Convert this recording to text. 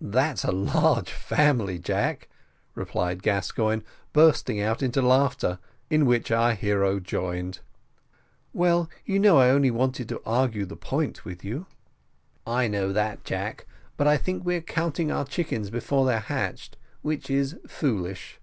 "That's a large family, Jack," replied Gascoigne, bursting out into laughter, in which our hero joined. "Well, you know I only wanted to argue the point with you." "I know that, Jack; but I think we're counting our chickens before they are hatched, which is foolish."